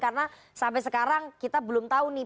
karena sampai sekarang kita belum tahu nih